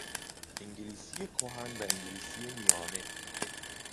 انگلیسی کهن و انگلیسی میانه